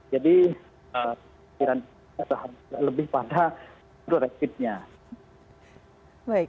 jadi lebih pada rapidnya